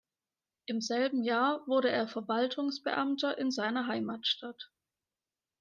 Im selben Jahr wurde er Verwaltungsbeamter in seiner Heimatstadt.